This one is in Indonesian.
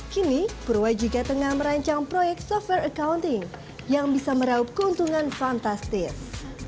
kini purwajika tengah merancang proyek software accounting yang bisa meraup keuntungan fantastis